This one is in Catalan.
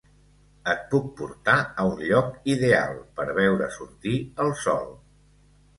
Et puc portar a un lloc ideal per veure sortir el sol.